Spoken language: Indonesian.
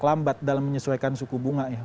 lambat dalam menyesuaikan suku bunga ya